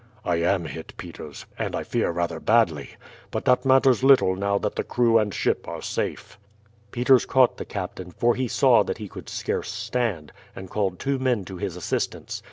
"I am hit, Peters, and I fear rather badly; but that matters little now that the crew and ship are safe." Peters caught the captain, for he saw that he could scarce stand, and called two men to his assistance.